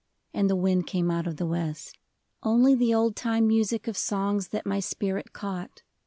And the wind came out of the west. Only the old time music Of songs that my spirit caught.